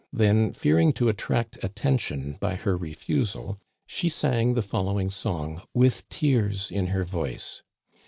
Then, fearing to attract attention by her refusal, she sang the following song with tears in her voice.